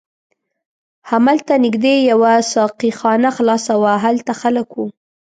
هملته نږدې یوه ساقي خانه خلاصه وه، هلته خلک و.